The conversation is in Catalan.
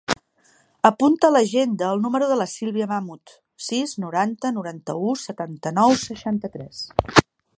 Apunta a l'agenda el número de la Sílvia Mahmood: sis, noranta, noranta-u, setanta-nou, seixanta-tres.